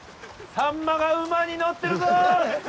さんまが馬に乗ってるぞ！